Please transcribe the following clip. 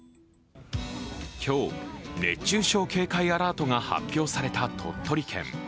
今日、熱中症警戒アラートが発表された鳥取県。